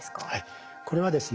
これはですね